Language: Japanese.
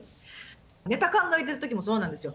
ネタ考えてる時もそうなんですよ。